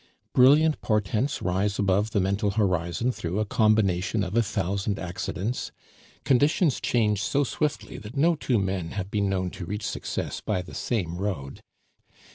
Brilliant portents rise above the mental horizon through a combination of a thousand accidents; conditions change so swiftly that no two men have been known to reach success by the same road.